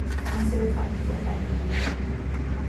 ასევე კარგი კომპანიონია.